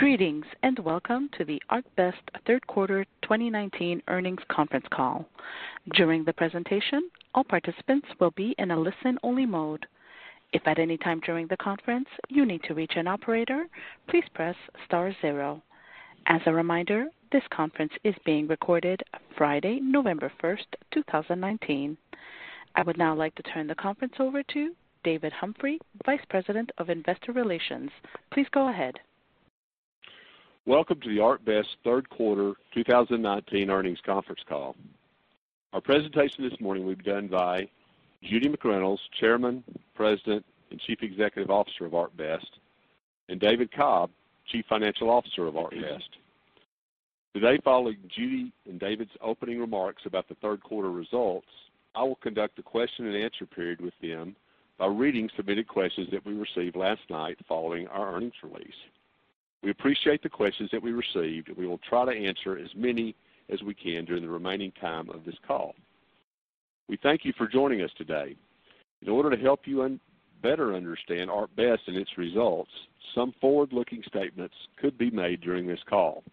Greetings, and welcome to the ArcBest third quarter 2019 earnings conference call. During the presentation, all participants will be in a listen-only mode. If at any time during the conference you need to reach an operator, please press star zero. As a reminder, this conference is being recorded Friday, November 1st, 2019. I would now like to turn the conference over to David Humphrey, Vice President of Investor Relations. Please go ahead. Welcome to the ArcBest third quarter 2019 earnings conference call. Our presentation this morning will be done by Judy McReynolds, Chairman, President, and Chief Executive Officer of ArcBest, and David Cobb, Chief Financial Officer of ArcBest. Today, following Judy and David's opening remarks about the third quarter results, I will conduct a question-and-answer period with them by reading submitted questions that we received last night following our earnings release. We appreciate the questions that we received, and we will try to answer as many as we can during the remaining time of this call. We thank you for joining us today. In order to help you better understand ArcBest and its results, some forward-looking statements could be made during this call.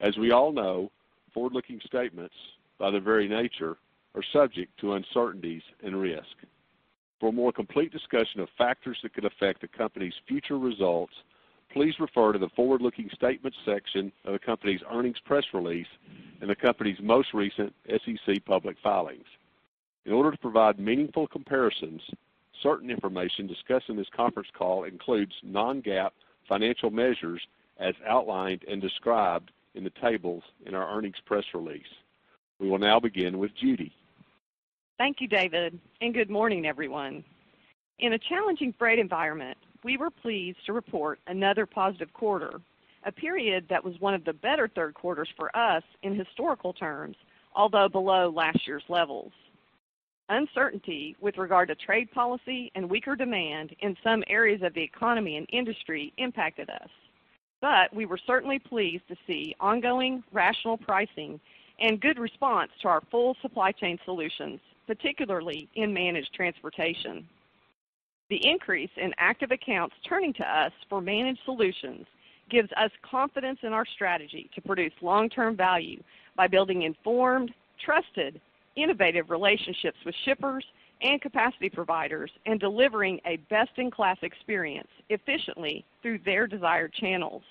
As we all know, forward-looking statements, by their very nature, are subject to uncertainties and risk. For a more complete discussion of factors that could affect the company's future results, please refer to the forward-looking statements section of the company's earnings press release and the company's most recent SEC public filings. In order to provide meaningful comparisons, certain information discussed in this conference call includes non-GAAP financial measures as outlined and described in the tables in our earnings press release. We will now begin with Judy. Thank you, David, and good morning, everyone. In a challenging freight environment, we were pleased to report another positive quarter, a period that was one of the better third quarters for us in historical terms, although below last year's levels. Uncertainty with regard to trade policy and weaker demand in some areas of the economy and industry impacted us, but we were certainly pleased to see ongoing rational pricing and good response to our full supply chain solutions, particularly in managed transportation. The increase in active accounts turning to us for Managed Solutions gives us confidence in our strategy to produce long-term value by building informed, trusted, innovative relationships with shippers and capacity providers, and delivering a best-in-class experience efficiently through their desired channels.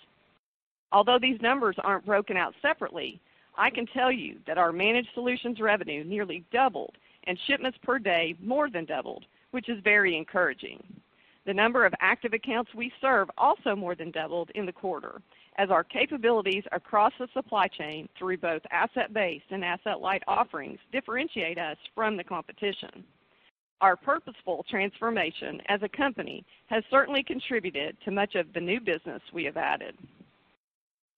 Although these numbers aren't broken out separately, I can tell you that our Managed Solutions revenue nearly doubled, and shipments per day more than doubled, which is very encouraging. The number of active accounts we serve also more than doubled in the quarter, as our capabilities across the supply chain through both asset-based and asset-light offerings differentiate us from the competition. Our purposeful transformation as a company has certainly contributed to much of the new business we have added.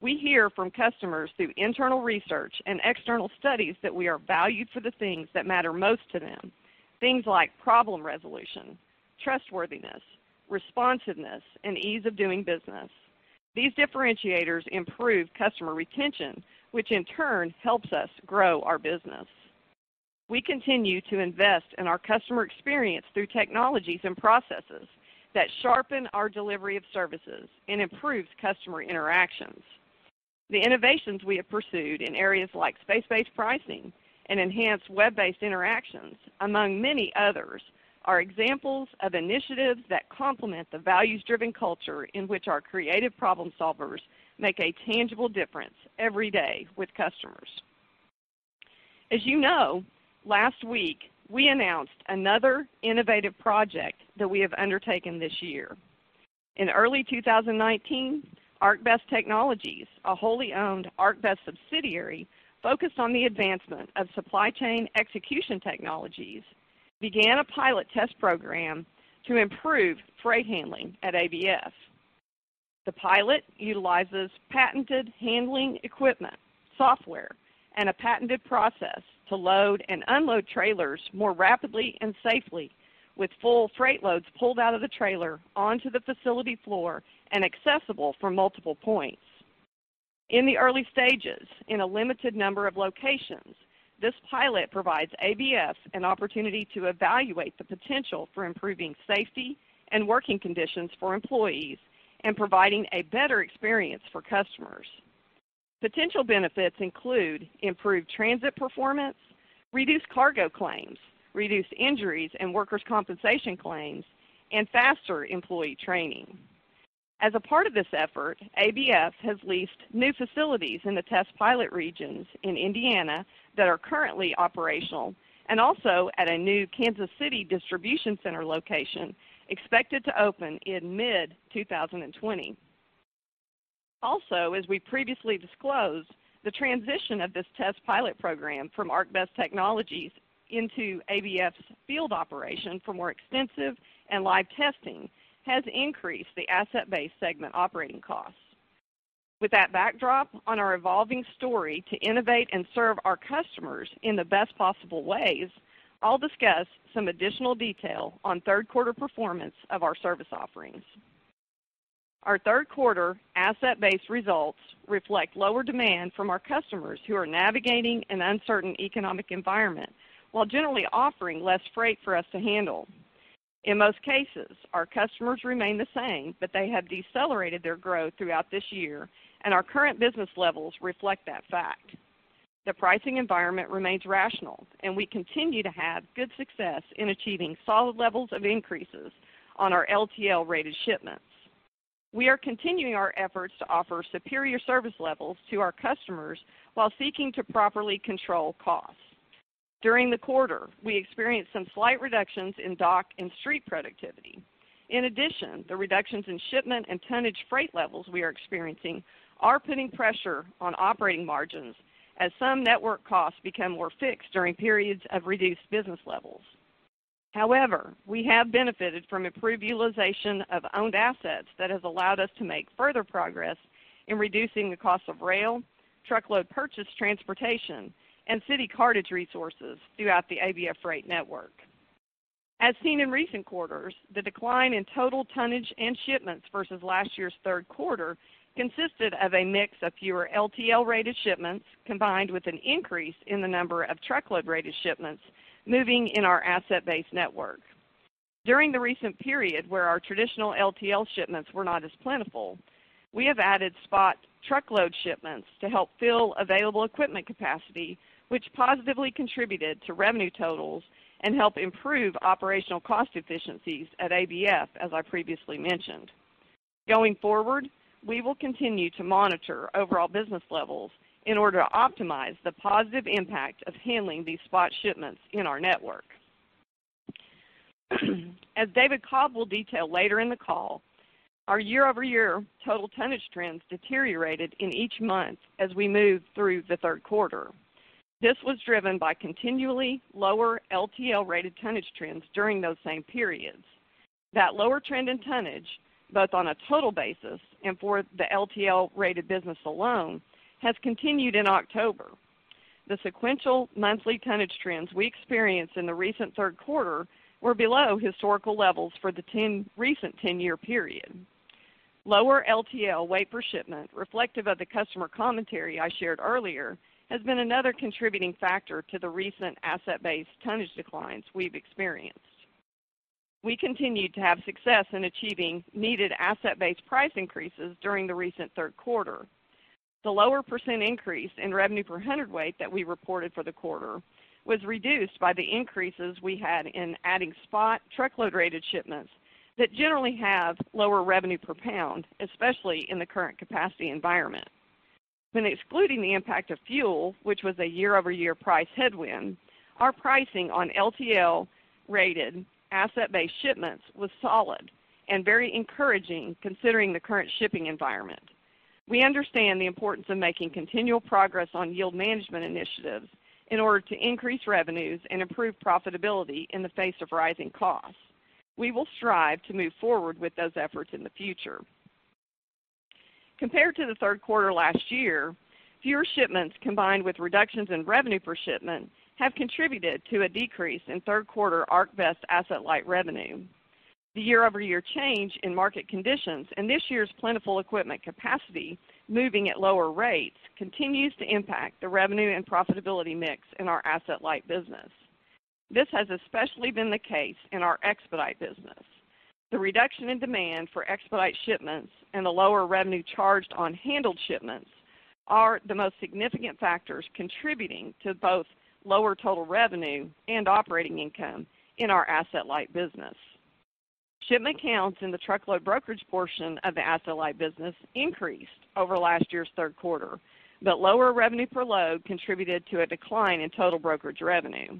We hear from customers through internal research and external studies that we are valued for the things that matter most to them, things like problem resolution, trustworthiness, responsiveness, and ease of doing business. These differentiators improve customer retention, which in turn helps us grow our business. We continue to invest in our customer experience through technologies and processes that sharpen our delivery of services and improves customer interactions. The innovations we have pursued in areas like space-based pricing and enhanced web-based interactions, among many others, are examples of initiatives that complement the values-driven culture in which our creative problem solvers make a tangible difference every day with customers. As you know, last week, we announced another innovative project that we have undertaken this year. In early 2019, ArcBest Technologies, a wholly-owned ArcBest subsidiary, focused on the advancement of supply chain execution technologies, began a pilot test program to improve freight handling at ABF. The pilot utilizes patented handling equipment, software, and a patented process to load and unload trailers more rapidly and safely, with full freight loads pulled out of the trailer onto the facility floor and accessible from multiple points. In the early stages, in a limited number of locations, this pilot provides ABF an opportunity to evaluate the potential for improving safety and working conditions for employees and providing a better experience for customers. Potential benefits include improved transit performance, reduced cargo claims, reduced injuries and workers' compensation claims, and faster employee training. As a part of this effort, ABF has leased new facilities in the test pilot regions in Indiana that are currently operational, and also at a new Kansas City distribution center location expected to open in mid-2020. Also, as we previously disclosed, the transition of this test pilot program from ArcBest Technologies into ABF's field operation for more extensive and live testing has increased the asset-based segment operating costs. With that backdrop on our evolving story to innovate and serve our customers in the best possible ways, I'll discuss some additional detail on third quarter performance of our service offerings. Our third quarter asset-based results reflect lower demand from our customers, who are navigating an uncertain economic environment while generally offering less freight for us to handle. In most cases, our customers remain the same, but they have decelerated their growth throughout this year, and our current business levels reflect that fact. The pricing environment remains rational, and we continue to have good success in achieving solid levels of increases on our LTL-rated shipments. We are continuing our efforts to offer superior service levels to our customers while seeking to properly control costs. During the quarter, we experienced some slight reductions in dock and street productivity. In addition, the reductions in shipment and tonnage freight levels we are experiencing are putting pressure on operating margins as some network costs become more fixed during periods of reduced business levels. However, we have benefited from improved utilization of owned assets that has allowed us to make further progress in reducing the cost of rail, truckload purchased transportation, and city cartage resources throughout the ABF Freight network. As seen in recent quarters, the decline in total tonnage and shipments versus last year's third quarter consisted of a mix of fewer LTL-rated shipments, combined with an increase in the number of truckload-rated shipments moving in our asset-based network. During the recent period where our traditional LTL shipments were not as plentiful, we have added spot truckload shipments to help fill available equipment capacity, which positively contributed to revenue totals and help improve operational cost efficiencies at ABF, as I previously mentioned. Going forward, we will continue to monitor overall business levels in order to optimize the positive impact of handling these spot shipments in our network. As David Cobb will detail later in the call, our year-over-year total tonnage trends deteriorated in each month as we moved through the third quarter. This was driven by continually lower LTL-rated tonnage trends during those same periods. That lower trend in tonnage, both on a total basis and for the LTL-rated business alone, has continued in October. The sequential monthly tonnage trends we experienced in the recent third quarter were below historical levels for the recent ten-year period. Lower LTL weight per shipment, reflective of the customer commentary I shared earlier, has been another contributing factor to the recent asset-based tonnage declines we've experienced. We continued to have success in achieving needed asset-based price increases during the recent third quarter. The lower percentage increase in revenue per hundredweight that we reported for the quarter was reduced by the increases we had in adding spot truckload-rated shipments that generally have lower revenue per pound, especially in the current capacity environment. When excluding the impact of fuel, which was a year-over-year price headwind, our pricing on LTL-rated asset-based shipments was solid and very encouraging considering the current shipping environment. We understand the importance of making continual progress on yield management initiatives in order to increase revenues and improve profitability in the face of rising costs. We will strive to move forward with those efforts in the future. Compared to the third quarter last year, fewer shipments, combined with reductions in revenue per shipment, have contributed to a decrease in third quarter ArcBest asset-light revenue. The year-over-year change in market conditions and this year's plentiful equipment capacity, moving at lower rates, continues to impact the revenue and profitability mix in our asset-light business. This has especially been the case in our expedite business. The reduction in demand for expedite shipments and the lower revenue charged on handled shipments are the most significant factors contributing to both lower total revenue and operating income in our asset-light business. Shipment counts in the truckload brokerage portion of the asset-light business increased over last year's third quarter, but lower revenue per load contributed to a decline in total brokerage revenue.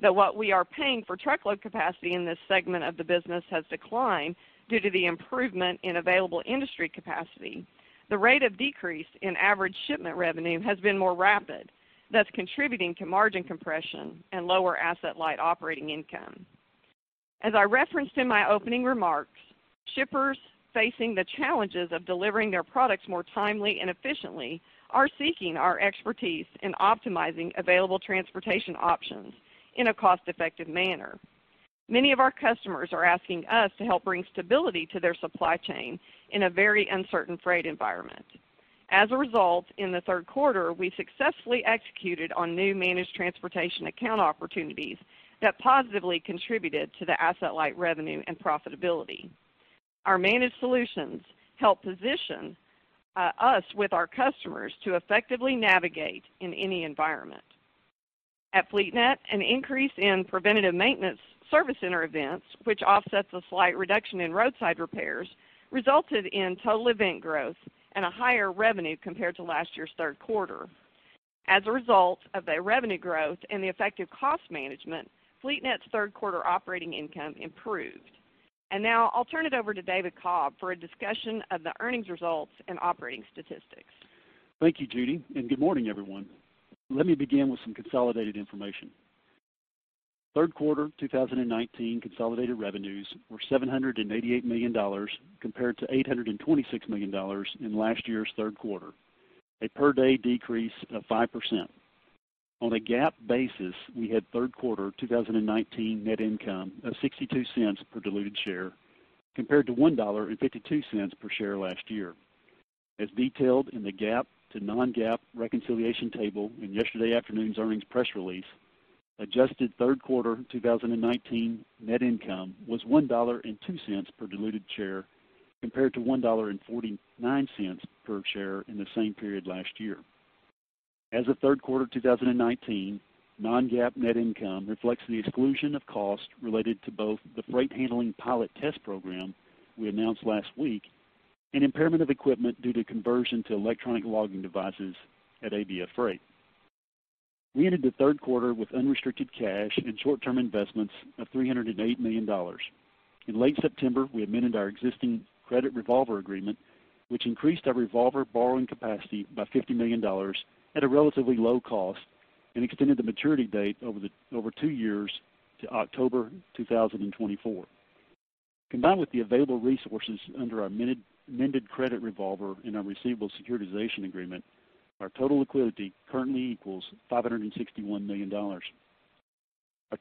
Though what we are paying for truckload capacity in this segment of the business has declined due to the improvement in available industry capacity, the rate of decrease in average shipment revenue has been more rapid, thus contributing to margin compression and lower asset-light operating income. As I referenced in my opening remarks, shippers facing the challenges of delivering their products more timely and efficiently are seeking our expertise in optimizing available transportation options in a cost-effective manner. Many of our customers are asking us to help bring stability to their supply chain in a very uncertain freight environment. As a result, in the third quarter, we successfully executed on new managed transportation account opportunities that positively contributed to the asset-light revenue and profitability. Our Managed Solutions help position us with our customers to effectively navigate in any environment. At FleetNet, an increase in preventative maintenance service center events, which offsets a slight reduction in roadside repairs, resulted in total event growth and a higher revenue compared to last year's third quarter. As a result of the revenue growth and the effective cost management, FleetNet's third quarter operating income improved. Now I'll turn it over to David Cobb for a discussion of the earnings results and operating statistics. Thank you, Judy, and good morning, everyone. Let me begin with some consolidated information. Third quarter 2019 consolidated revenues were $788 million, compared to $826 million in last year's third quarter, a per-day decrease of 5%. On a GAAP basis, we had third quarter 2019 net income of $0.62 per diluted share, compared to $1.52 per share last year.... As detailed in the GAAP to non-GAAP reconciliation table in yesterday afternoon's earnings press release, adjusted third quarter 2019 net income was $1.02 per diluted share, compared to $1.49 per share in the same period last year. As of third quarter 2019, non-GAAP net income reflects the exclusion of costs related to both the freight handling pilot test program we announced last week, and impairment of equipment due to conversion to electronic logging devices at ABF Freight. We ended the third quarter with unrestricted cash and short-term investments of $308 million. In late September, we amended our existing credit revolver agreement, which increased our revolver borrowing capacity by $50 million at a relatively low cost, and extended the maturity date over two years to October 2024. Combined with the available resources under our amended credit revolver and our receivable securitization agreement, our total liquidity currently equals $561 million. Our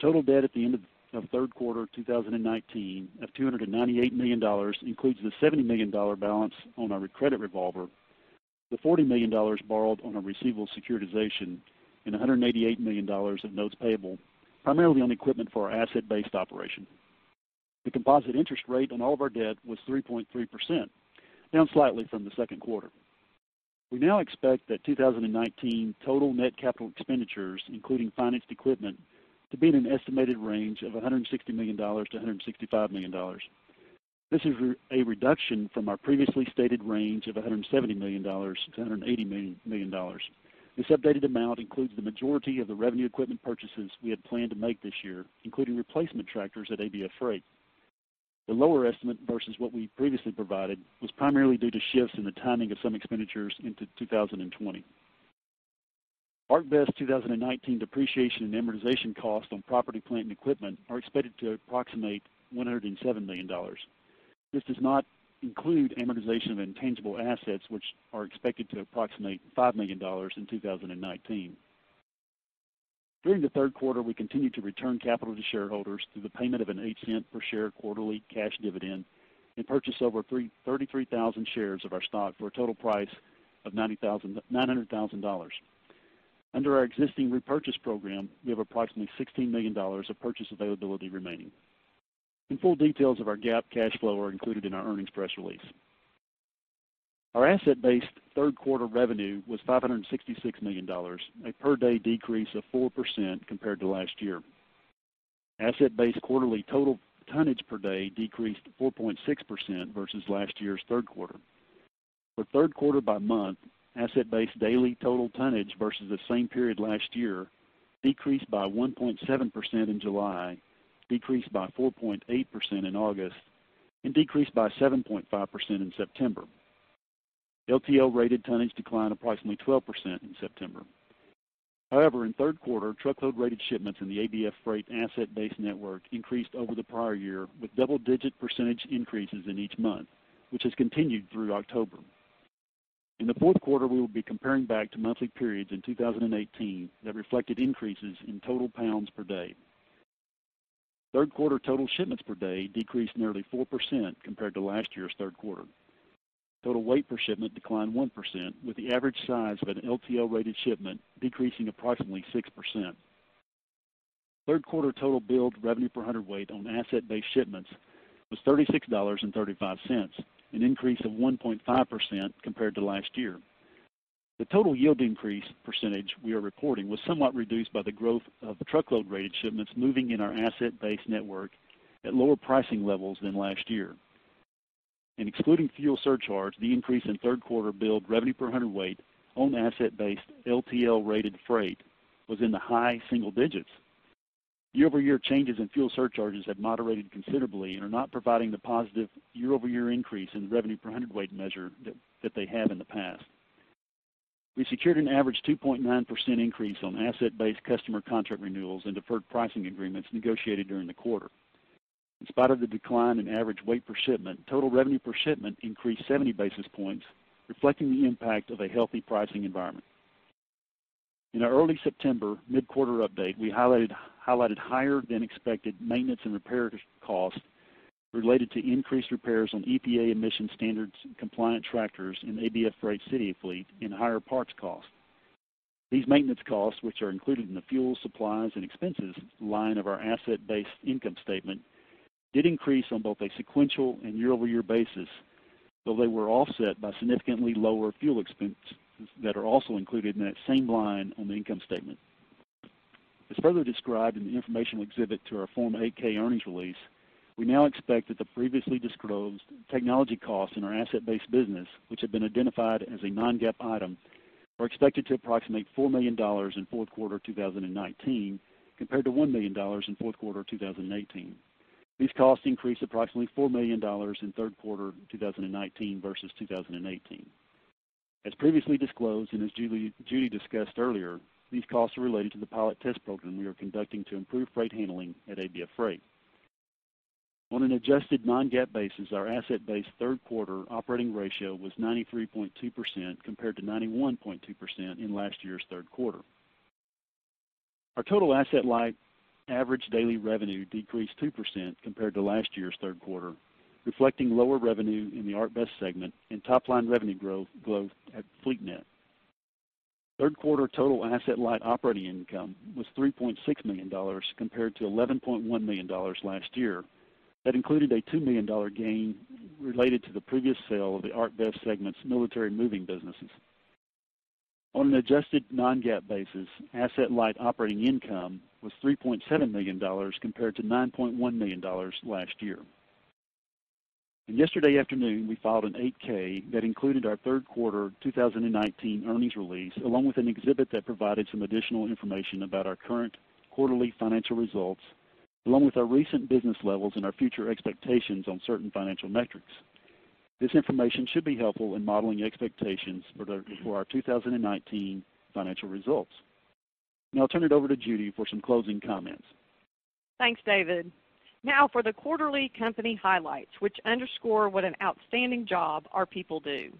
total debt at the end of third quarter 2019 of $298 million includes the $70 million balance on our credit revolver, the $40 million borrowed on our receivable securitization, and $188 million of notes payable, primarily on equipment for our asset-based operation. The composite interest rate on all of our debt was 3.3%, down slightly from the second quarter. We now expect that 2019 total net capital expenditures, including financed equipment, to be in an estimated range of $160 million-$165 million. This is a reduction from our previously stated range of $170 million-$180 million. This updated amount includes the majority of the revenue equipment purchases we had planned to make this year, including replacement tractors at ABF Freight. The lower estimate versus what we previously provided was primarily due to shifts in the timing of some expenditures into 2020. Our best 2019 depreciation and amortization costs on property, plant, and equipment are expected to approximate $107 million. This does not include amortization of intangible assets, which are expected to approximate $5 million in 2019. During the third quarter, we continued to return capital to shareholders through the payment of a $0.08 per share quarterly cash dividend and purchase over 333,000 shares of our stock for a total price of $900,000. Under our existing repurchase program, we have approximately $16 million of purchase availability remaining. In full, details of our GAAP cash flow are included in our earnings press release. Our asset-based third quarter revenue was $566 million, a per-day decrease of 4% compared to last year. Asset-based quarterly total tonnage per day decreased 4.6% versus last year's third quarter. For third quarter by month, asset-based daily total tonnage versus the same period last year decreased by 1.7% in July, decreased by 4.8% in August, and decreased by 7.5% in September. LTL rated tonnage declined approximately 12% in September. However, in third quarter, truckload rated shipments in the ABF Freight asset-based network increased over the prior year, with double-digit percentage increases in each month, which has continued through October. In the fourth quarter, we will be comparing back to monthly periods in 2018 that reflected increases in total pounds per day. Third quarter total shipments per day decreased nearly 4% compared to last year's third quarter. Total weight per shipment declined 1%, with the average size of an LTL-rated shipment decreasing approximately 6%. Third quarter total billed revenue per hundredweight on asset-based shipments was $36.35, an increase of 1.5% compared to last year. The total yield increase percentage we are reporting was somewhat reduced by the growth of the truckload-rated shipments moving in our asset-based network at lower pricing levels than last year. And excluding fuel surcharge, the increase in third quarter billed revenue per hundredweight on asset-based LTL-rated freight was in the high single digits. Year-over-year changes in fuel surcharges have moderated considerably and are not providing the positive year-over-year increase in revenue per hundredweight measure that they have in the past. We secured an average 2.9% increase on asset-based customer contract renewals and deferred pricing agreements negotiated during the quarter. In spite of the decline in average weight per shipment, total revenue per shipment increased 70 basis points, reflecting the impact of a healthy pricing environment. In our early September mid-quarter update, we highlighted higher than expected maintenance and repair costs related to increased repairs on EPA Emission Standards-compliant tractors in ABF Freight city fleet, and higher parts costs. These maintenance costs, which are included in the fuel, supplies, and expenses line of our Asset-Based income statement, did increase on both a sequential and year-over-year basis, though they were offset by significantly lower fuel expenses that are also included in that same line on the income statement. As further described in the informational exhibit to our Form 8-K earnings release, we now expect that the previously disclosed technology costs in our asset-based business, which have been identified as a non-GAAP item, are expected to approximate $4 million in fourth quarter 2019, compared to $1 million in fourth quarter 2018. These costs increased approximately $4 million in third quarter 2019 versus 2018. As previously disclosed, and as Judy discussed earlier, these costs are related to the pilot test program we are conducting to improve freight handling at ABF Freight. On an adjusted non-GAAP basis, our Asset-Based third quarter operating ratio was 93.2%, compared to 91.2% in last year's third quarter. Our total asset-light average daily revenue decreased 2% compared to last year's third quarter, reflecting lower revenue in the ArcBest segment and top-line revenue growth, growth at FleetNet. Third quarter total asset-light operating income was $3.6 million, compared to $11.1 million last year. That included a $2 million gain related to the previous sale of the ArcBest segment's military moving businesses. On an adjusted non-GAAP basis, asset-light operating income was $3.7 million, compared to $9.1 million last year. Yesterday afternoon, we filed an 8-K that included our third quarter 2019 earnings release, along with an exhibit that provided some additional information about our current quarterly financial results, along with our recent business levels and our future expectations on certain financial metrics. This information should be helpful in modeling expectations for our 2019 financial results. Now I'll turn it over to Judy for some closing comments. Thanks, David. Now for the quarterly company highlights, which underscore what an outstanding job our people do.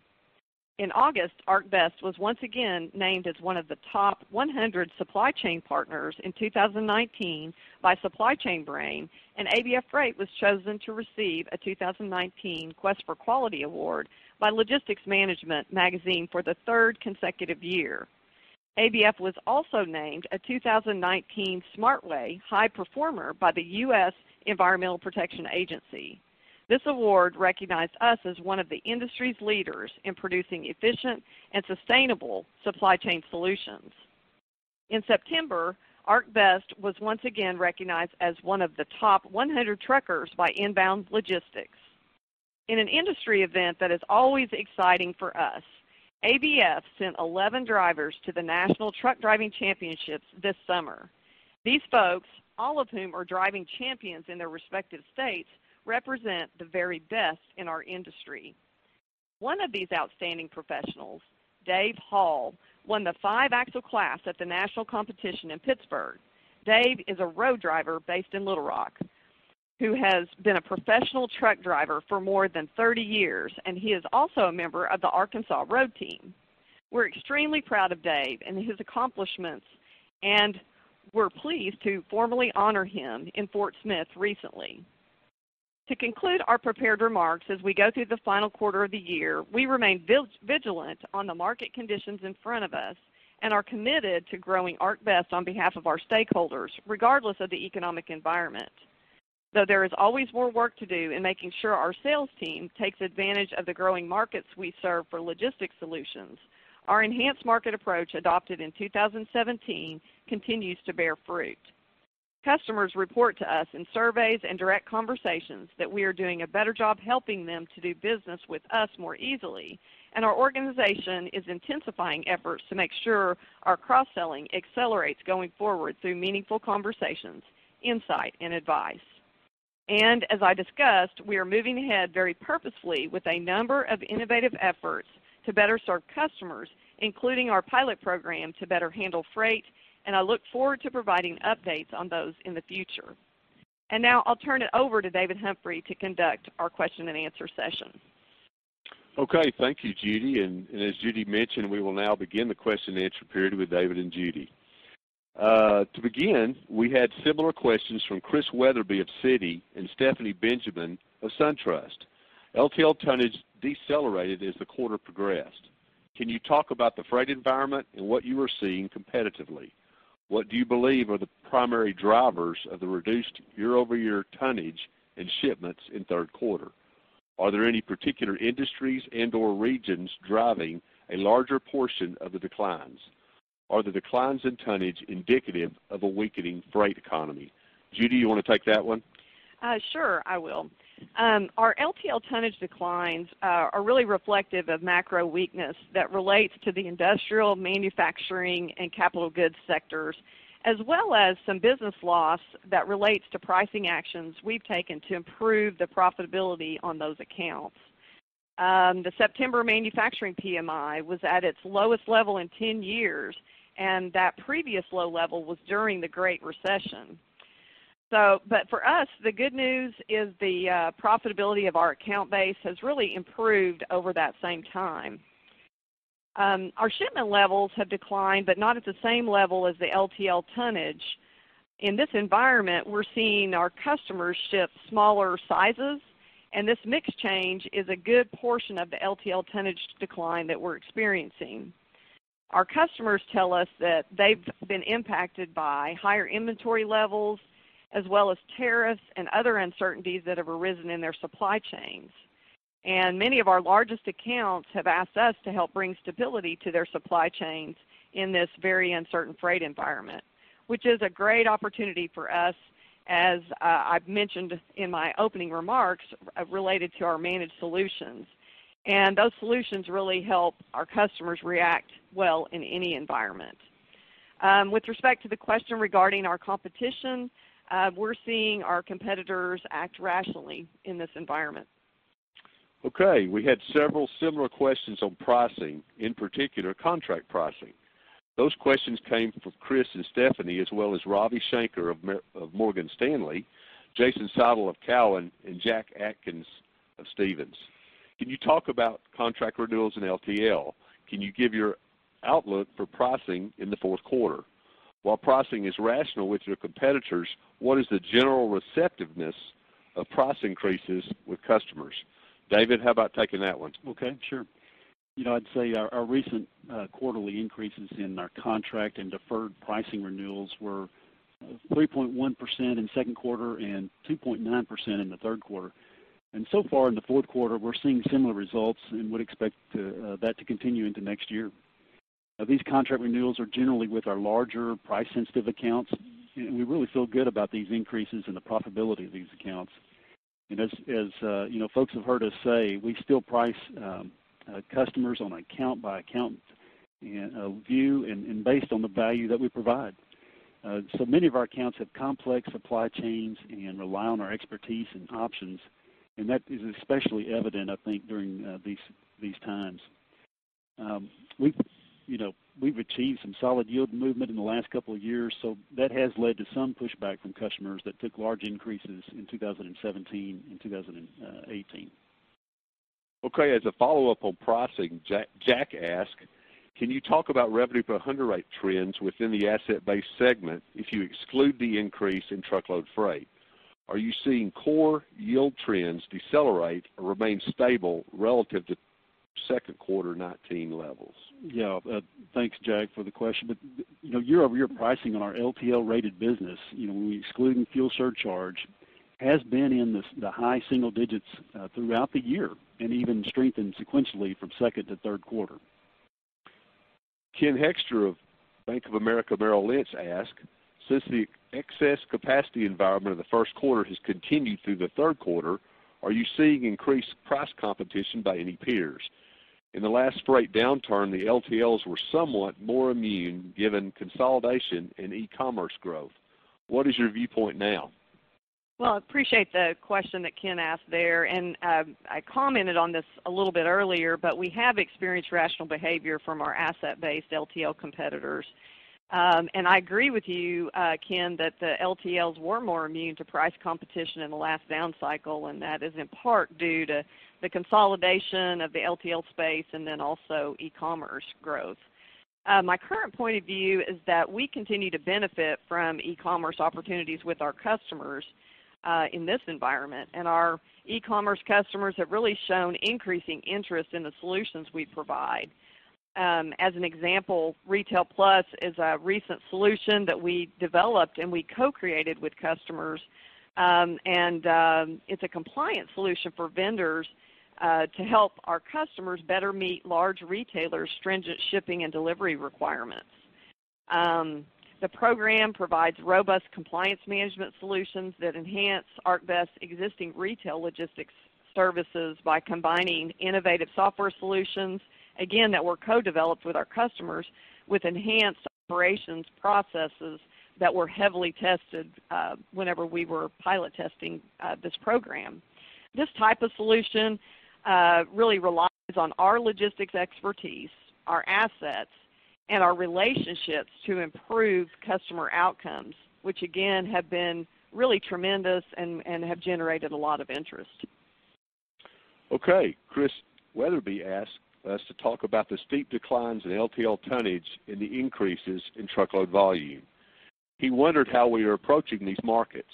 In August, ArcBest was once again named as one of the top 100 supply chain partners in 2019 by SupplyChainBrain, and ABF Freight was chosen to receive a 2019 Quest for Quality award by Logistics Management Magazine for the third consecutive year. ABF was also named a 2019 SmartWay High Performer by the U.S. Environmental Protection Agency. This award recognized us as one of the industry's leaders in producing efficient and sustainable supply chain solutions. In September, ArcBest was once again recognized as one of the top 100 truckers by Inbound Logistics. In an industry event that is always exciting for us, ABF sent 11 drivers to the National Truck Driving Championships this summer. These folks, all of whom are driving champions in their respective states, represent the very best in our industry. One of these outstanding professionals, Dave Hall, won the five axle class at the national competition in Pittsburgh. Dave is a road driver based in Little Rock, who has been a professional truck driver for more than thirty years, and he is also a member of the Arkansas Road Team. We're extremely proud of Dave and his accomplishments, and we're pleased to formally honor him in Fort Smith recently. To conclude our prepared remarks, as we go through the final quarter of the year, we remain vigilant on the market conditions in front of us and are committed to growing ArcBest on behalf of our stakeholders, regardless of the economic environment. Though there is always more work to do in making sure our sales team takes advantage of the growing markets we serve for logistics solutions, our enhanced market approach, adopted in 2017, continues to bear fruit. Customers report to us in surveys and direct conversations that we are doing a better job helping them to do business with us more easily, and our organization is intensifying efforts to make sure our cross-selling accelerates going forward through meaningful conversations, insight, and advice. As I discussed, we are moving ahead very purposefully with a number of innovative efforts to better serve customers, including our pilot program, to better handle freight, and I look forward to providing updates on those in the future. Now I'll turn it over to David Humphrey to conduct our question and answer session. Okay, thank you, Judy. And as Judy mentioned, we will now begin the question and answer period with David and Judy. To begin, we had similar questions from Chris Wetherbee of Citi and Stephanie Benjamin of SunTrust. LTL tonnage decelerated as the quarter progressed. Can you talk about the freight environment and what you are seeing competitively? What do you believe are the primary drivers of the reduced year-over-year tonnage and shipments in third quarter? Are there any particular industries and/or regions driving a larger portion of the declines? Are the declines in tonnage indicative of a weakening freight economy? Judy, you want to take that one? Sure, I will. Our LTL tonnage declines are really reflective of macro weakness that relates to the industrial, manufacturing, and capital goods sectors, as well as some business loss that relates to pricing actions we've taken to improve the profitability on those accounts. The September manufacturing PMI was at its lowest level in ten years, and that previous low level was during the Great Recession. So but for us, the good news is the profitability of our account base has really improved over that same time. Our shipment levels have declined, but not at the same level as the LTL tonnage. In this environment, we're seeing our customers ship smaller sizes, and this mix change is a good portion of the LTL tonnage decline that we're experiencing. Our customers tell us that they've been impacted by higher inventory levels, as well as tariffs and other uncertainties that have arisen in their supply chains. And many of our largest accounts have asked us to help bring stability to their supply chains in this very uncertain freight environment, which is a great opportunity for us, as I've mentioned in my opening remarks, related to our Managed Solutions. And those solutions really help our customers react well in any environment. With respect to the question regarding our competition, we're seeing our competitors act rationally in this environment. Okay, we had several similar questions on pricing, in particular, contract pricing. Those questions came from Chris and Stephanie, as well as Ravi Shanker of Morgan Stanley, Jason Seidel of Cowen, and Jack Atkins of Stephens. Can you talk about contract renewals in LTL? Can you give your outlook for pricing in the fourth quarter? While pricing is rational with your competitors, what is the general receptiveness of price increases with customers? David, how about taking that one? Okay, sure. You know, I'd say our recent quarterly increases in our contract and deferred pricing renewals were 3.1% in second quarter and 2.9% in the third quarter. And so far in the fourth quarter, we're seeing similar results and would expect that to continue into next year. These contract renewals are generally with our larger price-sensitive accounts, and we really feel good about these increases and the profitability of these accounts. And as you know, folks have heard us say, we still price customers on account by account and view and based on the value that we provide. So many of our accounts have complex supply chains and rely on our expertise and options, and that is especially evident, I think, during these times. We've, you know, we've achieved some solid yield movement in the last couple of years, so that has led to some pushback from customers that took large increases in 2017 and 2018. Okay, as a follow-up on pricing, Jack, Jack asked: Can you talk about revenue per hundredweight trends within the asset-based segment if you exclude the increase in truckload freight? Are you seeing core yield trends decelerate or remain stable relative to second quarter 2019 levels? Yeah, thanks, Jack, for the question. But, you know, year-over-year pricing on our LTL-rated business, you know, when we excluding fuel surcharge, has been in the high single digits, throughout the year, and even strengthened sequentially from second to third quarter. Ken Hoexter of Bank of America Merrill Lynch asked: Since the excess capacity environment in the first quarter has continued through the third quarter, are you seeing increased price competition by any peers? In the last freight downturn, the LTLs were somewhat more immune, given consolidation and e-commerce growth. What is your viewpoint now? Well, I appreciate the question that Ken asked there, and I commented on this a little bit earlier, but we have experienced rational behavior from our asset-based LTL competitors. And I agree with you, Ken, that the LTLs were more immune to price competition in the last down cycle, and that is in part due to the consolidation of the LTL space and then also e-commerce growth. My current point of view is that we continue to benefit from e-commerce opportunities with our customers in this environment, and our e-commerce customers have really shown increasing interest in the solutions we provide. As an example, Retail Plus is a recent solution that we developed and we co-created with customers, and it's a compliance solution for vendors to help our customers better meet large retailers' stringent shipping and delivery requirements. The program provides robust compliance management solutions that enhance ArcBest existing retail logistics services by combining innovative software solutions, again, that were co-developed with our customers, with enhanced operations processes that were heavily tested, whenever we were pilot testing, this program. This type of solution, really relies on our logistics expertise, our assets, and our relationships to improve customer outcomes, which again, have been really tremendous and, and have generated a lot of interest. Okay. Chris Wetherbee asked us to talk about the steep declines in LTL tonnage and the increases in truckload volume. He wondered how we are approaching these markets.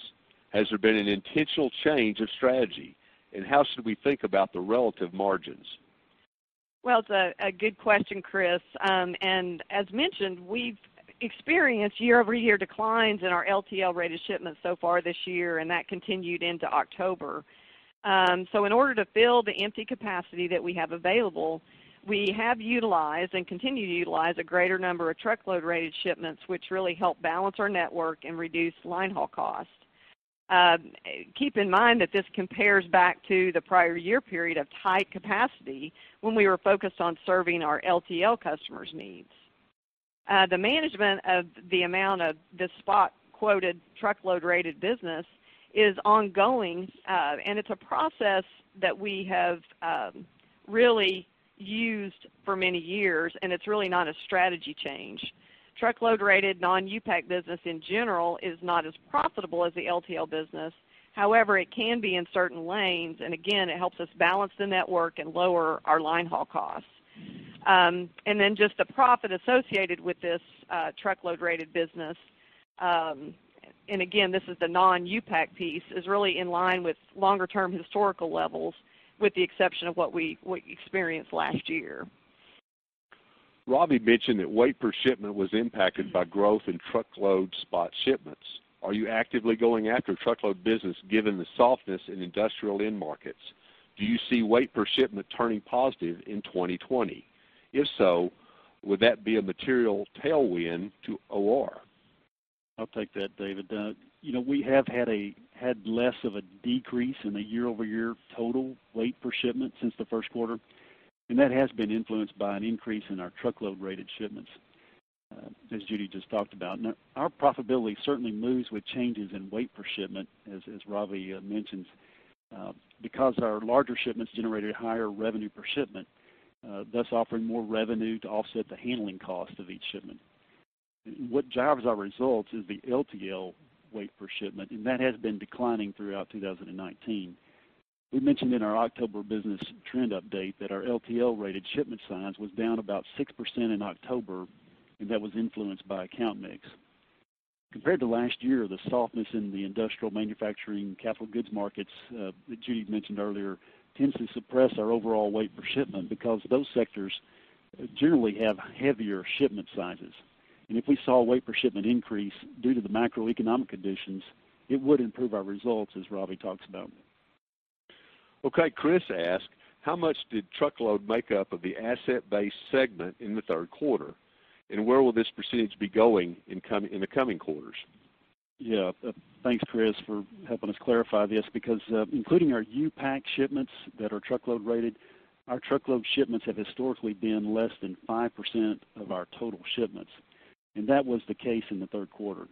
Has there been an intentional change of strategy, and how should we think about the relative margins? Well, it's a good question, Chris. And as mentioned, we've experienced year-over-year declines in our LTL rate of shipments so far this year, and that continued into October. So in order to fill the empty capacity that we have available, we have utilized and continue to utilize a greater number of truckload-rated shipments, which really help balance our network and reduce line haul costs. Keep in mind that this compares back to the prior year period of tight capacity when we were focused on serving our LTL customers' needs. The management of the amount of the spot quoted truckload-rated business is ongoing, and it's a process that we have really used for many years, and it's really not a strategy change. Truckload-rated, non-U-Pack business in general is not as profitable as the LTL business. However, it can be in certain lanes, and again, it helps us balance the network and lower our line haul costs. And then just the profit associated with this, truckload-rated business, and again, this is the non-U-Pack piece, is really in line with longer term historical levels, with the exception of what we experienced last year. Ravi mentioned that weight per shipment was impacted by growth in truckload spot shipments. Are you actively going after truckload business, given the softness in industrial end markets? Do you see weight per shipment turning positive in 2020? If so, would that be a material tailwind to OR? I'll take that, David. You know, we have had less of a decrease in the year-over-year total weight per shipment since the first quarter, and that has been influenced by an increase in our truckload-rated shipments, as Judy just talked about. Now, our profitability certainly moves with changes in weight per shipment, as Ravi mentioned, because our larger shipments generated higher revenue per shipment, thus offering more revenue to offset the handling cost of each shipment.... What drives our results is the LTL weight per shipment, and that has been declining throughout 2019. We mentioned in our October business trend update that our LTL rated shipment size was down about 6% in October, and that was influenced by account mix. Compared to last year, the softness in the industrial manufacturing capital goods markets, that Judy mentioned earlier, tends to suppress our overall weight per shipment because those sectors generally have heavier shipment sizes. If we saw weight per shipment increase due to the macroeconomic conditions, it would improve our results, as Ravi talks about. Okay, Chris asked, "How much did truckload make up of the asset-based segment in the third quarter? And where will this percentage be going in the coming quarters? Yeah. Thanks, Chris, for helping us clarify this, because, including our U-Pack shipments that are truckload rated, our truckload shipments have historically been less than 5% of our total shipments, and that was the case in the third quarter.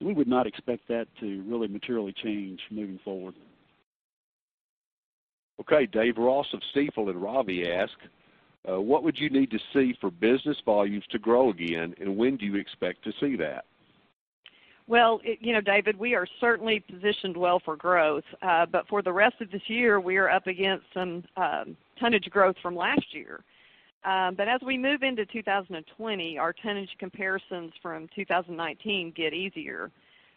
We would not expect that to really materially change moving forward. Okay. Dave Ross of Stifel and Ravi asked, "What would you need to see for business volumes to grow again, and when do you expect to see that? Well, you know, David, we are certainly positioned well for growth, but for the rest of this year, we are up against some tonnage growth from last year. But as we move into 2020, our tonnage comparisons from 2019 get easier.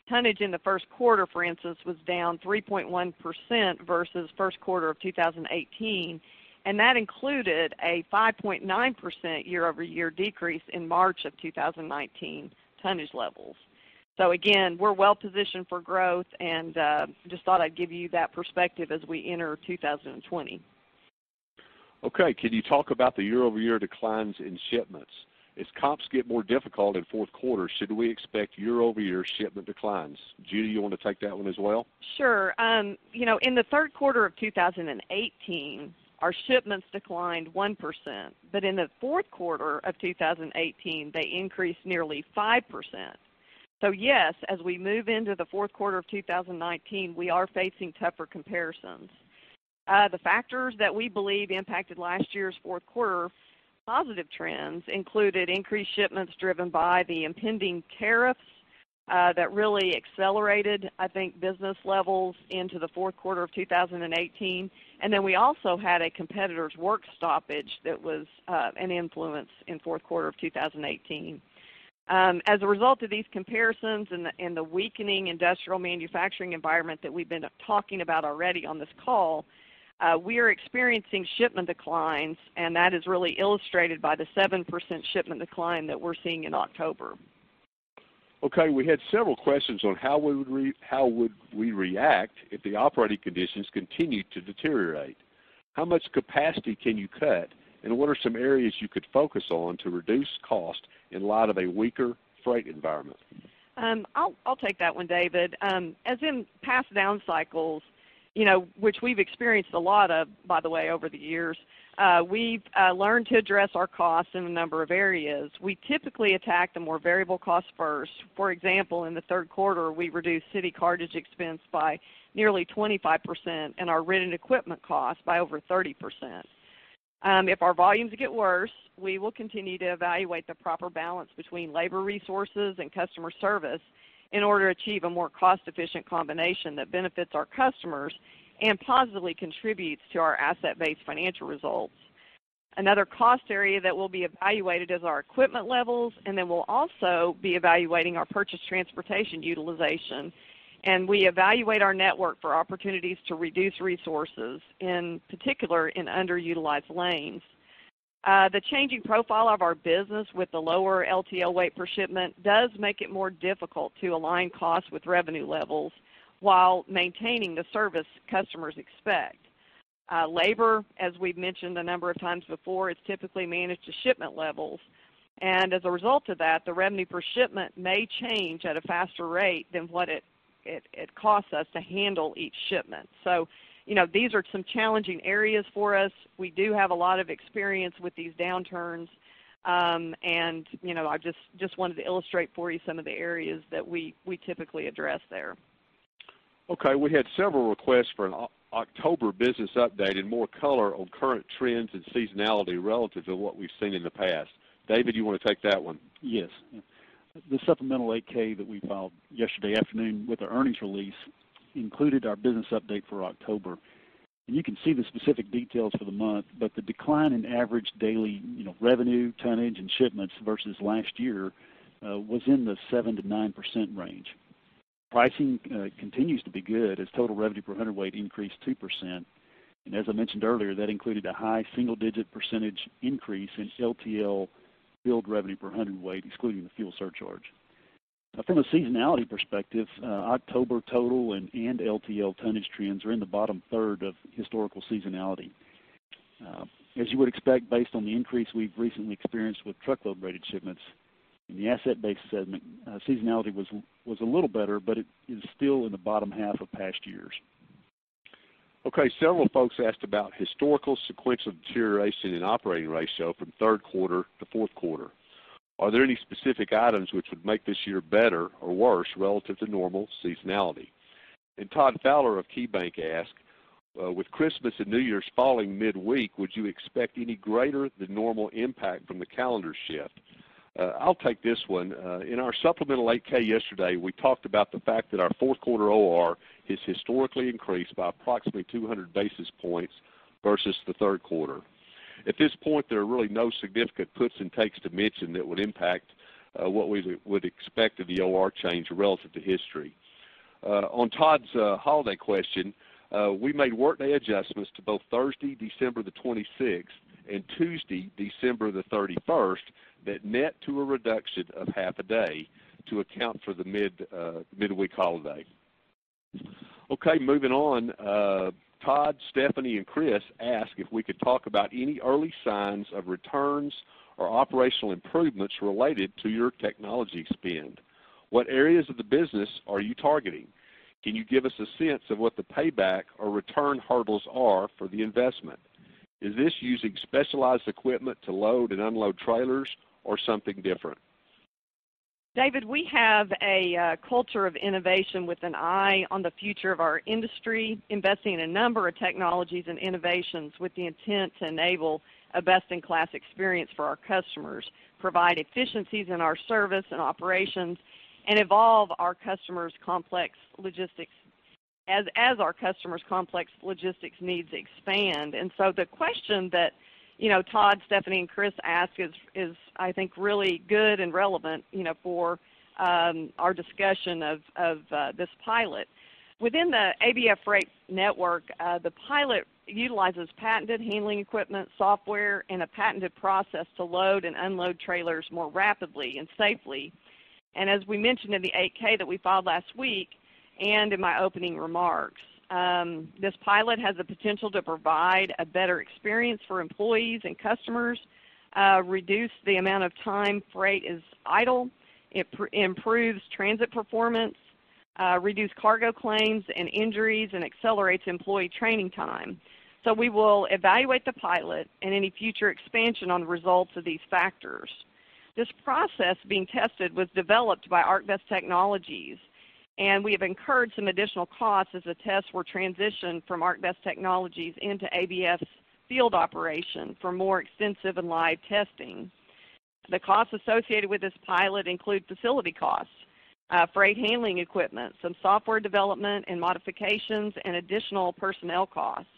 Tonnage in the first quarter, for instance, was down 3.1% versus first quarter of 2018, and that included a 5.9% year-over-year decrease in March of 2019 tonnage levels. So again, we're well positioned for growth, and just thought I'd give you that perspective as we enter 2020. Okay. Can you talk about the year-over-year declines in shipments? As comps get more difficult in fourth quarter, should we expect year-over-year shipment declines? Judy, you want to take that one as well? Sure. You know, in the third quarter of 2018, our shipments declined 1%, but in the fourth quarter of 2018, they increased nearly 5%. So yes, as we move into the fourth quarter of 2019, we are facing tougher comparisons. The factors that we believe impacted last year's fourth quarter positive trends included increased shipments driven by the impending tariffs that really accelerated, I think, business levels into the fourth quarter of 2018. And then we also had a competitor's work stoppage that was an influence in fourth quarter of 2018. As a result of these comparisons and the weakening industrial manufacturing environment that we've been talking about already on this call, we are experiencing shipment declines, and that is really illustrated by the 7% shipment decline that we're seeing in October. Okay, we had several questions on how would we, how would we react if the operating conditions continued to deteriorate. How much capacity can you cut, and what are some areas you could focus on to reduce cost in light of a weaker freight environment? I'll take that one, David. As in past down cycles, you know, which we've experienced a lot of, by the way, over the years, we've learned to address our costs in a number of areas. We typically attack the more variable costs first. For example, in the third quarter, we reduced city cartage expense by nearly 25% and our rented equipment costs by over 30%. If our volumes get worse, we will continue to evaluate the proper balance between labor resources and customer service in order to achieve a more cost-efficient combination that benefits our customers and positively contributes to our asset-based financial results. Another cost area that will be evaluated is our equipment levels, and then we'll also be evaluating our purchased transportation utilization. We evaluate our network for opportunities to reduce resources, in particular, in underutilized lanes. The changing profile of our business with the lower LTL weight per shipment does make it more difficult to align costs with revenue levels while maintaining the service customers expect. Labor, as we've mentioned a number of times before, is typically managed to shipment levels, and as a result of that, the revenue per shipment may change at a faster rate than what it costs us to handle each shipment. So you know, these are some challenging areas for us. We do have a lot of experience with these downturns, and, you know, I just wanted to illustrate for you some of the areas that we typically address there. Okay, we had several requests for an October business update and more color on current trends and seasonality relative to what we've seen in the past. David, you want to take that one? Yes. The supplemental 8-K that we filed yesterday afternoon with the earnings release included our business update for October. You can see the specific details for the month, but the decline in average daily, you know, revenue, tonnage, and shipments versus last year was in the 7%-9% range. Pricing continues to be good, as total revenue per hundredweight increased 2%, and as I mentioned earlier, that included a high single-digit percentage increase in LTL billed revenue per hundredweight, excluding the fuel surcharge. From a seasonality perspective, October total and LTL tonnage trends are in the bottom third of historical seasonality. As you would expect, based on the increase we've recently experienced with truckload-rated shipments, in the asset-based segment, seasonality was a little better, but it is still in the bottom half of past years. Okay, several folks asked about historical sequential deterioration in operating ratio from third quarter to fourth quarter. Are there any specific items which would make this year better or worse relative to normal seasonality?... And Todd Fowler of KeyBanc asked, "With Christmas and New Year's falling midweek, would you expect any greater than normal impact from the calendar shift?" I'll take this one. In our supplemental 8-K yesterday, we talked about the fact that our fourth quarter OR has historically increased by approximately 200 basis points versus the third quarter. At this point, there are really no significant puts and takes to mention that would impact, what we would expect of the OR change relative to history. On Todd's holiday question, we made workday adjustments to both Thursday, December the 26th and Tuesday, December the 31st, that net to a reduction of half a day to account for the mid, midweek holiday. Okay, moving on, Todd, Stephanie, and Chris ask if we could talk about any early signs of returns or operational improvements related to your technology spend. What areas of the business are you targeting? Can you give us a sense of what the payback or return hurdles are for the investment? Is this using specialized equipment to load and unload trailers or something different? David, we have a culture of innovation with an eye on the future of our industry, investing in a number of technologies and innovations with the intent to enable a best-in-class experience for our customers, provide efficiencies in our service and operations, and evolve our customers' complex logistics—as our customers' complex logistics needs expand. So the question that, you know, Todd, Stephanie, and Chris ask is, I think, really good and relevant, you know, for our discussion of this pilot. Within the ABF Freight network, the pilot utilizes patented handling equipment, software, and a patented process to load and unload trailers more rapidly and safely. As we mentioned in the 8-K that we filed last week, and in my opening remarks, this pilot has the potential to provide a better experience for employees and customers, reduce the amount of time freight is idle. It improves transit performance, reduce cargo claims and injuries, and accelerates employee training time. So we will evaluate the pilot and any future expansion on the results of these factors. This process being tested was developed by ArcBest Technologies, and we have incurred some additional costs as the tests were transitioned from ArcBest Technologies into ABF's field operation for more extensive and live testing. The costs associated with this pilot include facility costs, freight handling equipment, some software development and modifications, and additional personnel costs.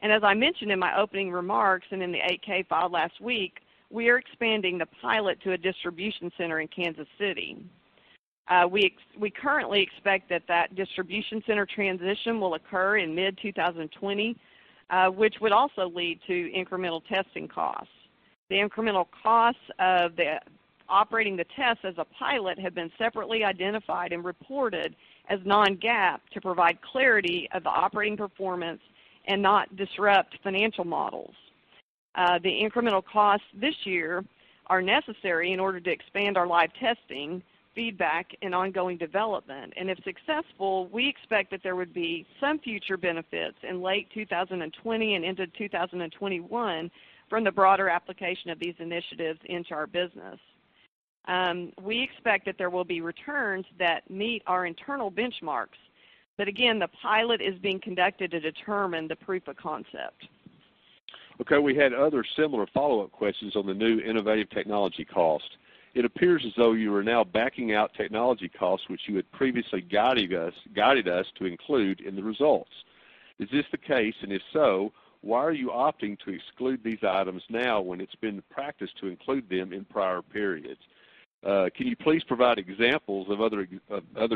As I mentioned in my opening remarks and in the 8-K filed last week, we are expanding the pilot to a distribution center in Kansas City. We currently expect that that distribution center transition will occur in mid-2020, which would also lead to incremental testing costs. The incremental costs of the operating the test as a pilot have been separately identified and reported as non-GAAP to provide clarity of the operating performance and not disrupt financial models. The incremental costs this year are necessary in order to expand our live testing, feedback, and ongoing development. If successful, we expect that there would be some future benefits in late 2020 and into 2021 from the broader application of these initiatives into our business. We expect that there will be returns that meet our internal benchmarks. But again, the pilot is being conducted to determine the proof of concept. Okay, we had other similar follow-up questions on the new innovative technology cost. It appears as though you are now backing out technology costs, which you had previously guided us to include in the results. Is this the case? And if so, why are you opting to exclude these items now when it's been the practice to include them in prior periods? Can you please provide examples of other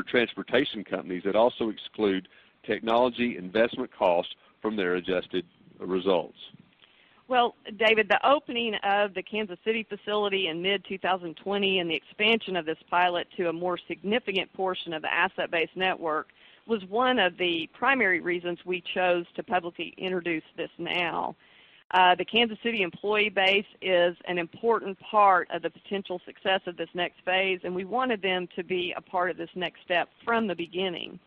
transportation companies that also exclude technology investment costs from their adjusted results? Well, David, the opening of the Kansas City facility in mid-2020, and the expansion of this pilot to a more significant portion of the Asset-Based network, was one of the primary reasons we chose to publicly introduce this now. The Kansas City employee base is an important part of the potential success of this next phase, and we wanted them to be a part of this next step from the beginning.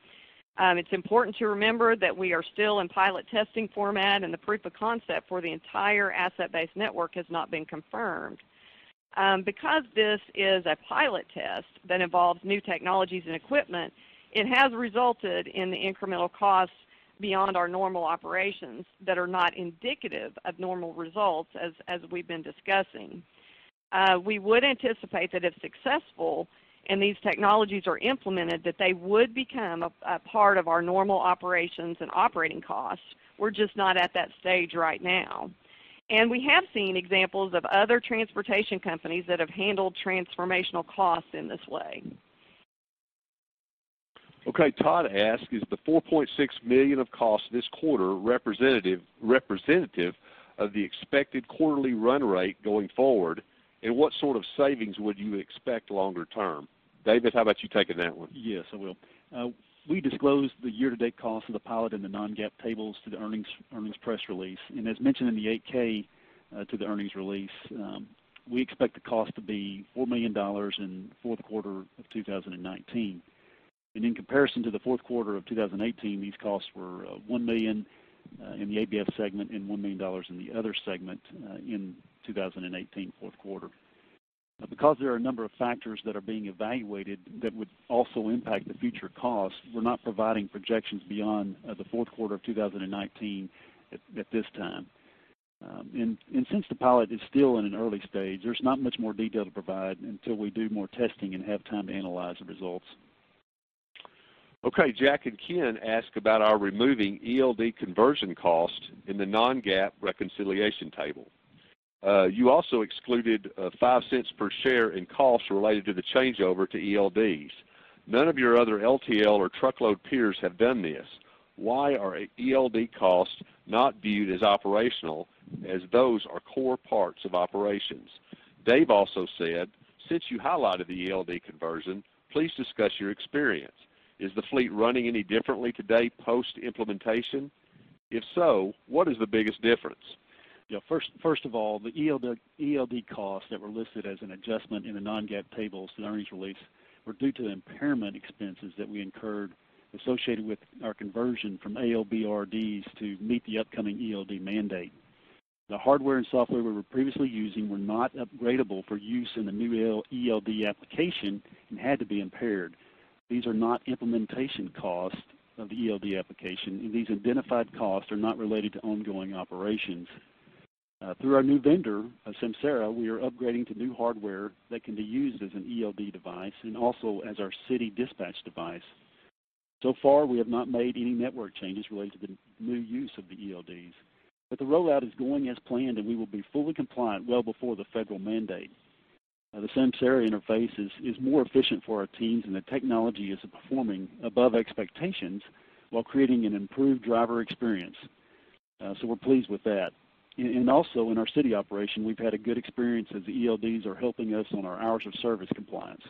It's important to remember that we are still in pilot testing format, and the proof of concept for the entire Asset-Based network has not been confirmed. Because this is a pilot test that involves new technologies and equipment, it has resulted in the incremental costs beyond our normal operations that are not indicative of normal results, as we've been discussing. We would anticipate that if successful, and these technologies are implemented, that they would become a part of our normal operations and operating costs. We're just not at that stage right now. We have seen examples of other transportation companies that have handled transformational costs in this way. Okay, Todd asked, "Is the $4.6 million of costs this quarter representative of the expected quarterly run rate going forward? And what sort of savings would you expect longer term?" David, how about you taking that one? Yes, I will. We disclosed the year-to-date cost of the pilot in the non-GAAP tables to the earnings press release. As mentioned in the 8-K to the earnings release, we expect the cost to be $4 million in the fourth quarter of 2019. In comparison to the fourth quarter of 2018, these costs were $1 million in the ABF segment and $1 million in the other segment in the fourth quarter of 2018. Because there are a number of factors that are being evaluated that would also impact the future costs, we're not providing projections beyond the fourth quarter of 2019 at this time. Since the pilot is still in an early stage, there's not much more detail to provide until we do more testing and have time to analyze the results. Okay, Jack and Ken ask about our removing ELD conversion costs in the non-GAAP reconciliation table. You also excluded $0.05 per share in costs related to the changeover to ELDs. None of your other LTL or truckload peers have done this. Why are ELD costs not viewed as operational, as those are core parts of operations? Dave also said, "Since you highlighted the ELD conversion, please discuss your experience. Is the fleet running any differently today post-implementation? If so, what is the biggest difference? Yeah, first, first of all, the ELD, ELD costs that were listed as an adjustment in the non-GAAP tables in the earnings release were due to the impairment expenses that we incurred associated with our conversion from AOBRDs to meet the upcoming ELD mandate. The hardware and software we were previously using were not upgradable for use in the new EL, ELD application and had to be impaired. These are not implementation costs of the ELD application, and these identified costs are not related to ongoing operations. Through our new vendor, Samsara, we are upgrading to new hardware that can be used as an ELD device and also as our city dispatch device. So far, we have not made any network changes related to the new use of the ELDs, but the rollout is going as planned, and we will be fully compliant well before the federal mandate. The Samsara interface is more efficient for our teams, and the technology is performing above expectations while creating an improved driver experience. So we're pleased with that. And also in our city operation, we've had a good experience as the ELDs are helping us on our hours of service compliance.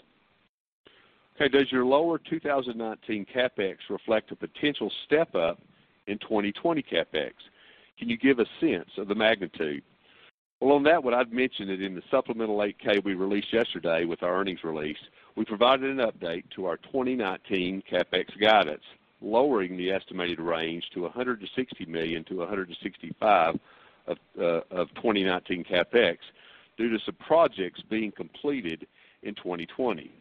Okay, does your lower 2019 CapEx reflect a potential step-up in 2020 CapEx? Can you give a sense of the magnitude? Well, on that one, I'd mention that in the supplemental 8-K we released yesterday with our earnings release, we provided an update to our 2019 CapEx guidance, lowering the estimated range to $160 million-$165 million of 2019 CapEx due to some projects being completed in 2020.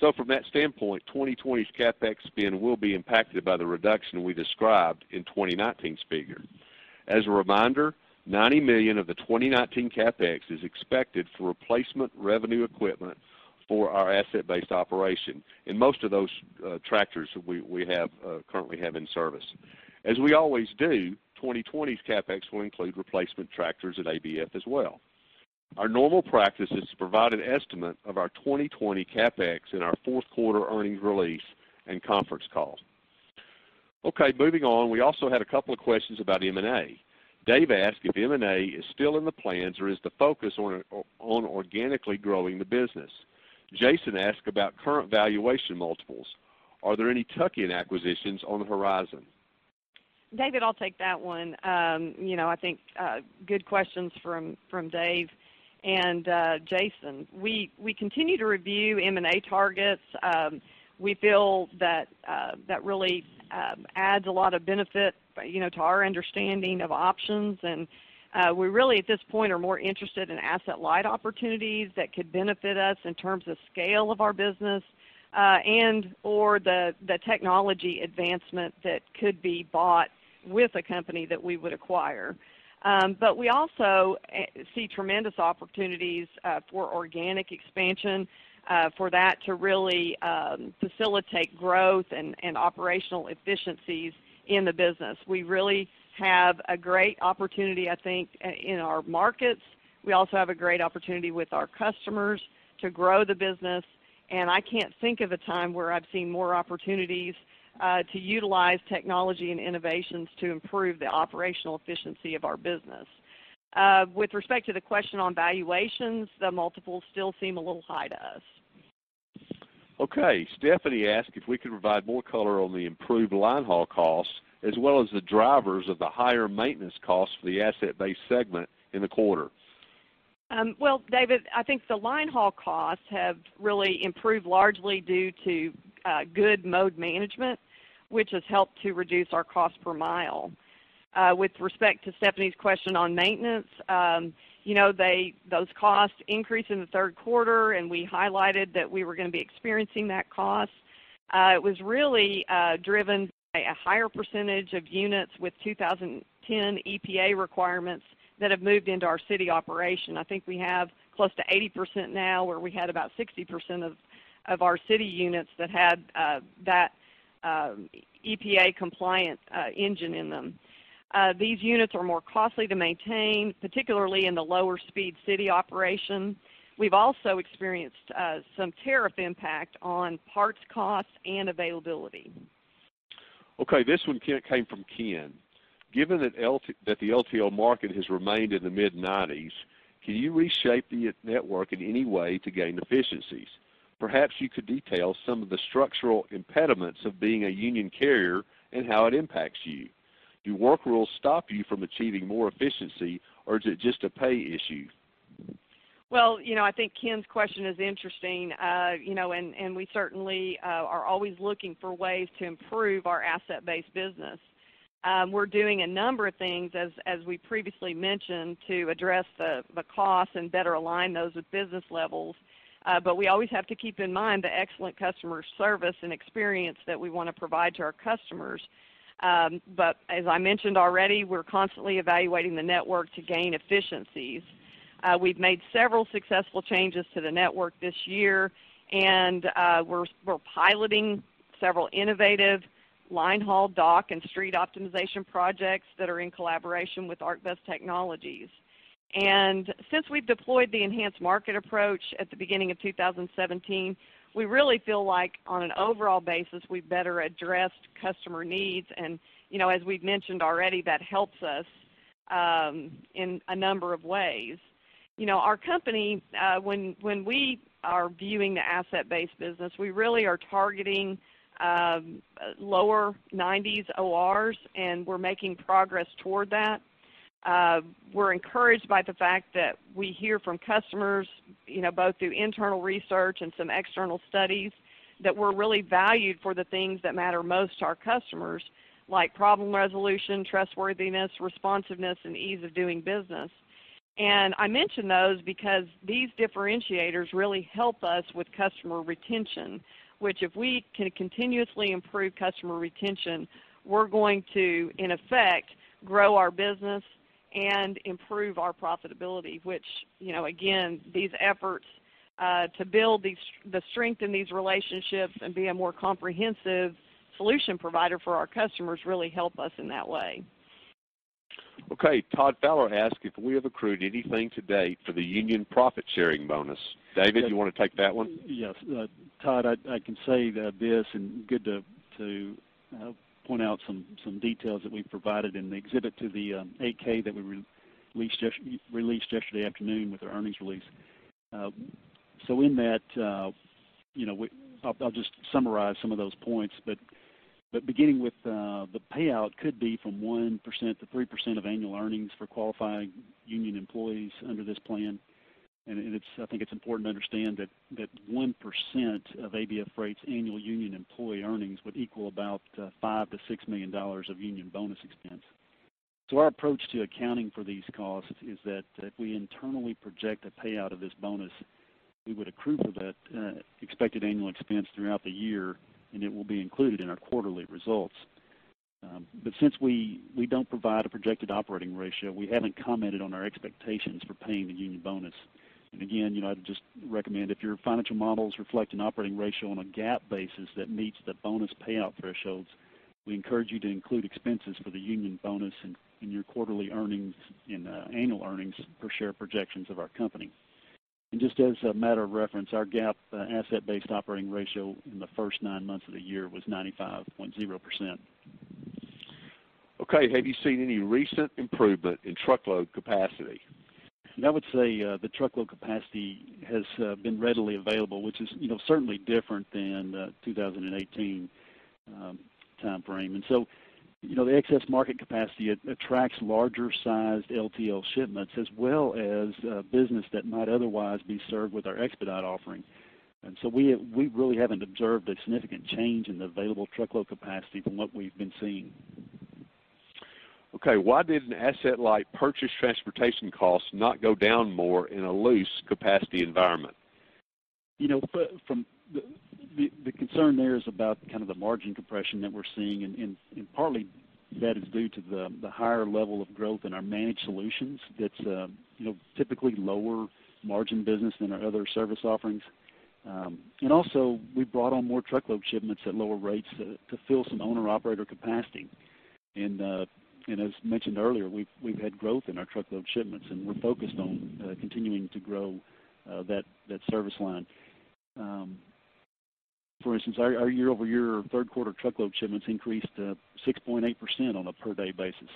So from that standpoint, 2020's CapEx spend will be impacted by the reduction we described in 2019's figure. As a reminder, $90 million of the 2019 CapEx is expected for replacement revenue equipment for our asset-based operation, and most of those tractors we currently have in service. As we always do, 2020's CapEx will include replacement tractors at ABF as well. Our normal practice is to provide an estimate of our 2020 CapEx in our fourth quarter earnings release and conference call. Okay, moving on, we also had a couple of questions about M&A. Dave asked if M&A is still in the plans, or is the focus on organically growing the business? Jason asked about current valuation multiples. Are there any tuck-in acquisitions on the horizon? David, I'll take that one. You know, I think good questions from Dave and Jason. We continue to review M&A targets. We feel that that really adds a lot of benefit, you know, to our understanding of options. And we really, at this point, are more interested in asset-light opportunities that could benefit us in terms of scale of our business, and/or the technology advancement that could be bought with a company that we would acquire. But we also see tremendous opportunities for organic expansion, for that to really facilitate growth and operational efficiencies in the business. We really have a great opportunity, I think, in our markets. We also have a great opportunity with our customers to grow the business, and I can't think of a time where I've seen more opportunities to utilize technology and innovations to improve the operational efficiency of our business. With respect to the question on valuations, the multiples still seem a little high to us. Okay. Stephanie asked if we could provide more color on the improved linehaul costs, as well as the drivers of the higher maintenance costs for the asset-based segment in the quarter. Well, David, I think the linehaul costs have really improved largely due to good mode management, which has helped to reduce our cost per mile. With respect to Stephanie's question on maintenance, you know, those costs increased in the third quarter, and we highlighted that we were gonna be experiencing that cost. It was really driven by a higher percentage of units with 2010 EPA requirements that have moved into our city operation. I think we have close to 80% now, where we had about 60% of our city units that had EPA compliant engine in them. These units are more costly to maintain, particularly in the lower speed city operation. We've also experienced some tariff impact on parts costs and availability. Okay, this one, Ken, came from Ken. Given that the LTL market has remained in the mid-nineties, can you reshape the network in any way to gain efficiencies? Perhaps you could detail some of the structural impediments of being a union carrier and how it impacts you. Do work rules stop you from achieving more efficiency, or is it just a pay issue? Well, you know, I think Ken's question is interesting. You know, and we certainly are always looking for ways to improve our asset-based business. We're doing a number of things, as we previously mentioned, to address the costs and better align those with business levels. But we always have to keep in mind the excellent customer service and experience that we wanna provide to our customers. But as I mentioned already, we're constantly evaluating the network to gain efficiencies. We've made several successful changes to the network this year, and we're piloting several innovative line haul, dock, and street optimization projects that are in collaboration with ArcBest Technologies. And since we've deployed the enhanced market approach at the beginning of 2017, we really feel like, on an overall basis, we've better addressed customer needs. You know, as we've mentioned already, that helps us in a number of ways. You know, our company, when we are viewing the asset-based business, we really are targeting lower nineties ORs, and we're making progress toward that. We're encouraged by the fact that we hear from customers, you know, both through internal research and some external studies, that we're really valued for the things that matter most to our customers, like problem resolution, trustworthiness, responsiveness, and ease of doing business. I mention those because these differentiators really help us with customer retention, which, if we can continuously improve customer retention, we're going to, in effect, grow our business and improve our profitability, which, you know, again, these efforts to build the strength in these relationships and be a more comprehensive solution provider for our customers really help us in that way. Okay, Todd Fowler asked if we have accrued anything to date for the union profit-sharing bonus. David, you wanna take that one? Yes. Todd, I can say that this is good to point out some details that we provided in the exhibit to the 8-K that we released yesterday afternoon with our earnings release. So in that, you know, we... I'll just summarize some of those points. Beginning with, the payout could be from 1%-3% of annual earnings for qualifying union employees under this plan. It's -- I think it's important to understand that 1% of ABF Freight's annual union employee earnings would equal about $5 million-$6 million of union bonus expense. So our approach to accounting for these costs is that we internally project a payout of this bonus we would accrue for that expected annual expense throughout the year, and it will be included in our quarterly results. But since we don't provide a projected operating ratio, we haven't commented on our expectations for paying the union bonus. And again, you know, I'd just recommend if your financial models reflect an operating ratio on a GAAP basis that meets the bonus payout thresholds, we encourage you to include expenses for the union bonus in your quarterly earnings and annual earnings per share projections of our company. And just as a matter of reference, our GAAP asset-based operating ratio in the first nine months of the year was 95.0%. Okay, have you seen any recent improvement in truckload capacity? I would say, the truckload capacity has been readily available, which is, you know, certainly different than the 2018 timeframe. And so, you know, the excess market capacity, it attracts larger sized LTL shipments, as well as, business that might otherwise be served with our expedite offering. And so we really haven't observed a significant change in the available truckload capacity from what we've been seeing. Okay, why did an asset-light purchased transportation costs not go down more in a loose capacity environment? You know, but from the... The concern there is about kind of the margin compression that we're seeing, and partly that is due to the higher level of growth in our Managed Solutions that's, you know, typically lower margin business than our other service offerings. And also, we brought on more truckload shipments at lower rates to fill some owner-operator capacity. And as mentioned earlier, we've had growth in our truckload shipments, and we're focused on continuing to grow that service line. For instance, our year-over-year third quarter truckload shipments increased 6.8% on a per-day basis.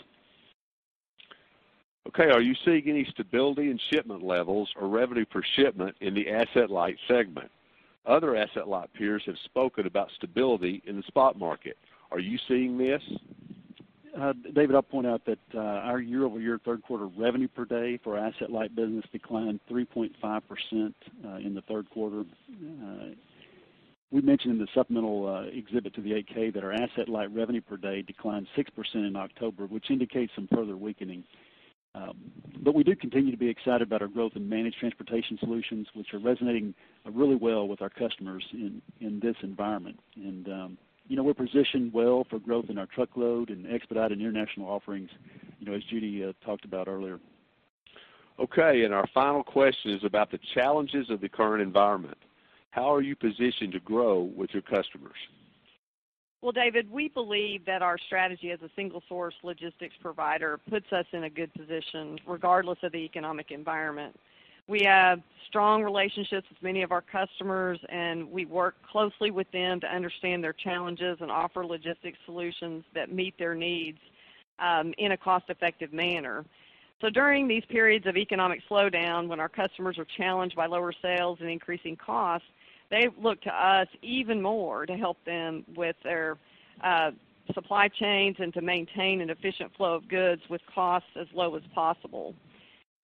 Okay, are you seeing any stability in shipment levels or revenue per shipment in the asset-light segment? Other asset-light peers have spoken about stability in the spot market. Are you seeing this? David, I'll point out that, our year-over-year third quarter revenue per day for asset-light business declined 3.5%, in the third quarter. We mentioned in the supplemental, exhibit to the 8-K that our asset-light revenue per day declined 6% in October, which indicates some further weakening. But we do continue to be excited about our growth in managed transportation solutions, which are resonating, really well with our customers in, in this environment. You know, we're positioned well for growth in our truckload and expedited international offerings, you know, as Judy, talked about earlier. Okay, and our final question is about the challenges of the current environment. How are you positioned to grow with your customers? Well, David, we believe that our strategy as a single-source logistics provider puts us in a good position, regardless of the economic environment. We have strong relationships with many of our customers, and we work closely with them to understand their challenges and offer logistics solutions that meet their needs in a cost-effective manner. So during these periods of economic slowdown, when our customers are challenged by lower sales and increasing costs, they look to us even more to help them with their supply chains and to maintain an efficient flow of goods with costs as low as possible.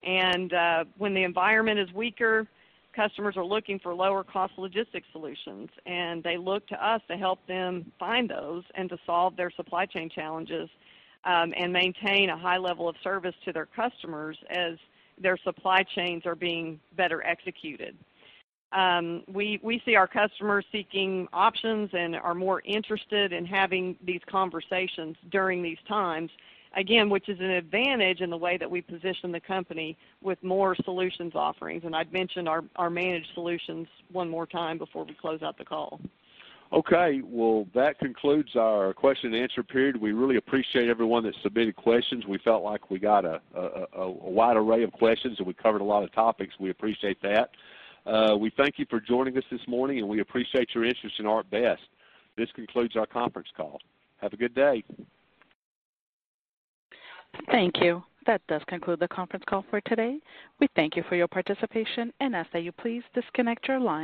And when the environment is weaker, customers are looking for lower-cost logistics solutions, and they look to us to help them find those and to solve their supply chain challenges, and maintain a high level of service to their customers as their supply chains are being better executed. We see our customers seeking options and are more interested in having these conversations during these times, again, which is an advantage in the way that we position the company with more solutions offerings. And I'd mention our Managed Solutions one more time before we close out the call. Okay, well, that concludes our question and answer period. We really appreciate everyone that submitted questions. We felt like we got a wide array of questions, and we covered a lot of topics. We appreciate that. We thank you for joining us this morning, and we appreciate your interest in ArcBest. This concludes our conference call. Have a good day. Thank you. That does conclude the conference call for today. We thank you for your participation and ask that you please disconnect your lines.